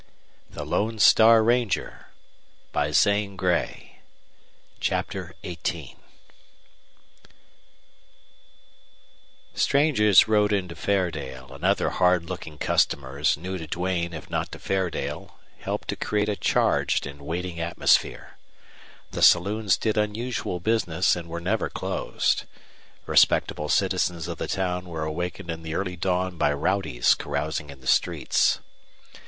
The ranger has dropped poison, and it'll spread." CHAPTER XVIII Strangers rode into Fairdale; and other hard looking customers, new to Duane if not to Fairdale, helped to create a charged and waiting atmosphere. The saloons did unusual business and were never closed. Respectable citizens of the town were awakened in the early dawn by rowdies carousing in the streets.